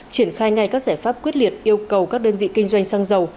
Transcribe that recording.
triển khai ngay các giải pháp quyết liệt yêu cầu các đơn vị kinh doanh xăng dầu